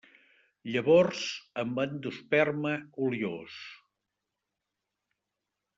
Llavors amb endosperma oliós.